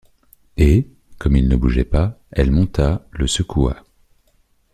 Et, comme il ne bougeait pas, elle monta, le secoua.